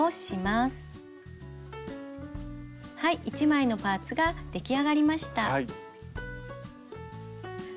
１枚のパーツが出来上がりました。